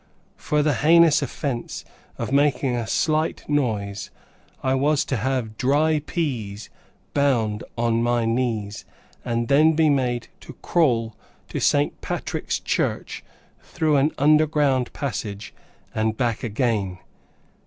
For the heinous offence of making a slight noise I was to have dry peas bound upon my knees, and then be made to crawl to St. Patrick's church, through an underground passage, and back again.